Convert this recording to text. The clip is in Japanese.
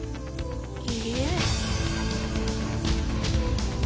いいえ。